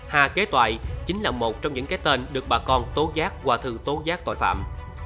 hà kế tòa chính là một trong những cái tên được bà con tố giác qua thư tố giác tội phạm